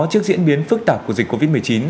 trước diễn biến phức tạp của dịch covid một mươi chín